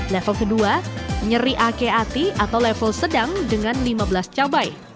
level kedua nyeri akeati atau level sedang dengan lima belas cabai